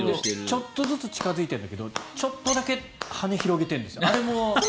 ちょっとずつ近付いているんだけどちょっとだけ羽を広げているんです。